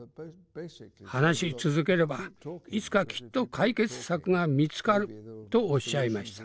話し続ければいつかきっと解決策が見つかるとおっしゃいました。